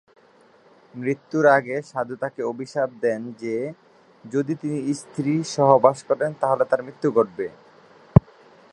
মৃত্যুর আগে সাধু তাকে অভিশাপ দেন যে যদি তিনি স্ত্রী সহবাস করেন তাহলে তার মৃত্যু ঘটবে।